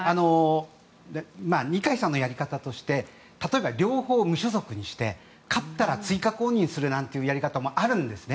二階さんのやり方として例えば両方無所属にして勝ったら追加公認するなんてやり方もあるんですね。